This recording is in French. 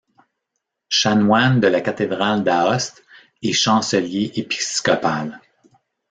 Chanoine de la Cathédrale d'Aoste et Chancelier épiscopal.